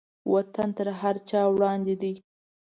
وطن تر هر چا وړاندې دی.